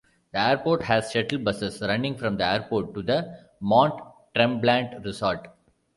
The airport has shuttle buses running from the airport to the Mont Tremblant Resort.